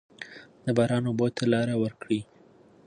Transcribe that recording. د باران اوبو ته لاره ورکړئ.